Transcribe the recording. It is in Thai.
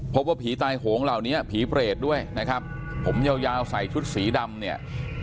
พบว่าผีตายโหงเหล่านี้ผีเปรตด้วยนะครับผมยาวยาวใส่ชุดสีดำเนี่ย